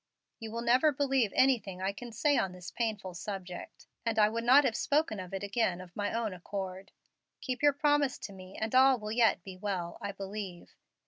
You will never believe anything I can say on this painful subject, and I would not have spoken of it again of my own accord. Keep your promise to me, and all will yet be well, I believe.